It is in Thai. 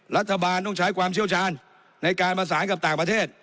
รัฐบาลต้องใช้ความเชี่ยวชาญในการประสานกับต่างประเทศ